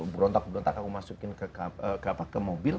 berontak beontak aku masukin ke mobil